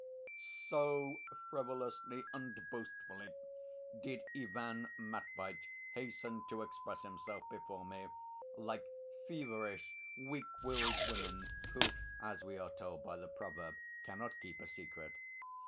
So frivolously and boastfully did Ivan Matveitch hasten to express himself before me, like feverish weak willed women who, as we are told by the proverb, cannot keep a secret.